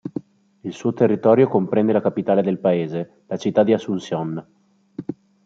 Il suo territorio comprende la capitale del paese, la città di Asunción.